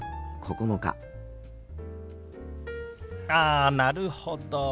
あなるほど。